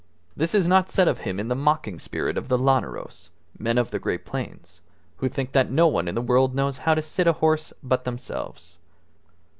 This is not said of him in the mocking spirit of the Llaneros men of the great plains who think that no one in the world knows how to sit a horse but themselves.